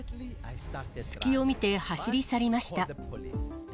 隙を見て走り去りました。